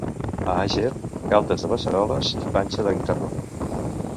A Àger, galtes de beceroles i panxa de guitarró.